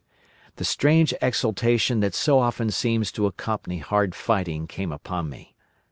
"The strange exultation that so often seems to accompany hard fighting came upon me.